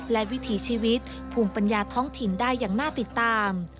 และวิถีชีวิตภูมิปัญญาท้องถิ่นได้อย่างน่าติดตาม